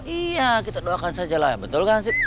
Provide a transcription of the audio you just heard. iya kita doakan sajalah ya betul kan hansip